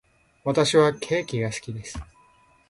私はケーキが好きです。